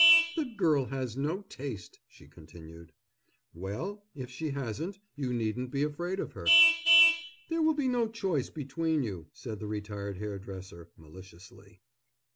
"The girl has no taste," she continued. "Well, if she hasn't, you needn't be afraid of her." "There will be no choice between you," said the retired hairdresser, maliciously.